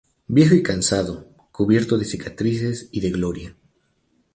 viejo y cansado, cubierto de cicatrices y de gloria